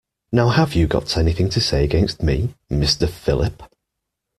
Now have you got anything to say against me, Mr Philip.